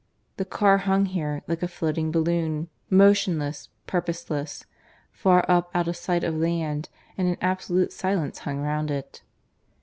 The car hung here, like a floating balloon, motionless, purposeless far up out of sight of land, and an absolute silence hung round it.